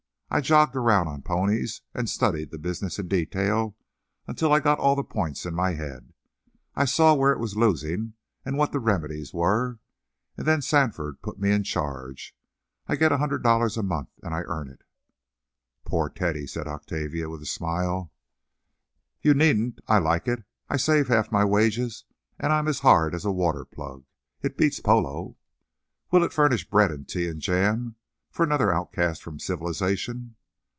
I jogged around on ponies and studied the business in detail, until I got all the points in my head. I saw where it was losing and what the remedies were, and then Sandford put me in charge. I get a hundred dollars a month, and I earn it." "Poor Teddy!" said Octavia, with a smile. "You needn't. I like it. I save half my wages, and I'm as hard as a water plug. It beats polo." "Will it furnish bread and tea and jam for another outcast from civilization?"